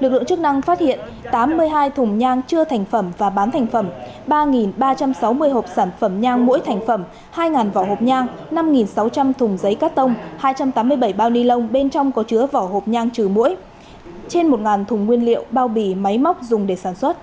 lực lượng chức năng phát hiện tám mươi hai thùng nhang chưa thành phẩm và bán thành phẩm ba ba trăm sáu mươi hộp sản phẩm nhang mỗi thành phẩm hai vỏ hộp nhang năm sáu trăm linh thùng giấy cắt tông hai trăm tám mươi bảy bao ni lông bên trong có chứa vỏ hộp nhang trừ mũi trên một thùng nguyên liệu bao bì máy móc dùng để sản xuất